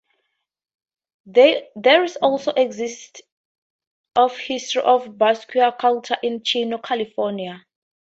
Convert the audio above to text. There also exists a history of Basque culture in Chino, California.